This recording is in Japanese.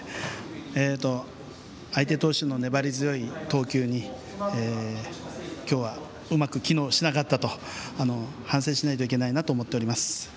相手投手の粘り強い投球に今日は、うまく機能しなかったと反省しないといけないなと思っております。